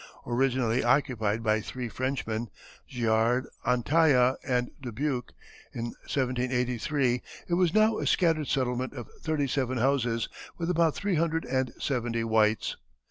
Originally occupied by three Frenchmen, Giard, Antaya, and Dubuque, in 1783, it was now a scattered settlement of thirty seven houses, with about three hundred and seventy whites.